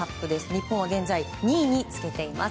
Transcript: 日本は現在２位につけています。